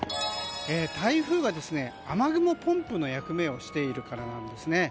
台風が雨雲ポンプの役目をしているからなんですね。